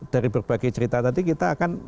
dari berbagai cerita tadi kita akan